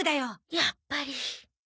やっぱり。